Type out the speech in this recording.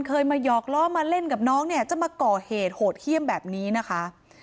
เคยมาหยอกล้อมาเล่นกับน้องเนี่ยจะมาก่อเหตุโหดเยี่ยมแบบนี้นะคะ